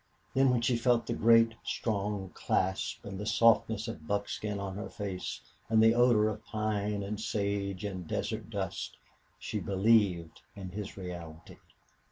Then when she felt the great, strong clasp and the softness of buckskin on her face and the odor of pine and sage and desert dust, she believed in his reality.